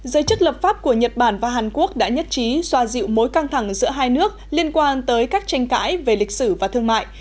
giới chức lập pháp của nhật bản và hàn quốc đã nhất trí xoa dịu mối căng thẳng giữa hai nước liên quan tới các tranh cãi về lịch sử và thương mại